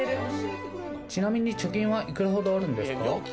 ちなみに貯金はいくらほどあるんですか？